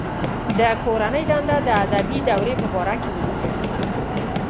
د کورنۍ دنده د ادبي دورې په باره کې ولیکئ.